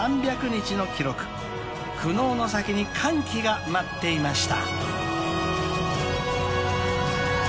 ［苦悩の先に歓喜が待っていました］